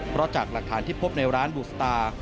เพราะจากหลักฐานที่พบในร้านบูสตาร์